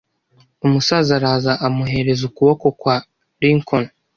Umusaza araza amuhereza ukuboko kwa Lincoln.